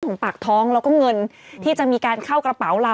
ของปากท้องแล้วก็เงินที่เข้ากระเป๋าเรา